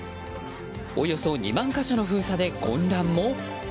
およそ２万か所の封鎖で混乱も？